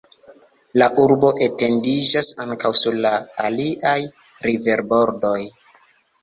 La urbo etendiĝas ankaŭ sur la aliaj riverbordoj.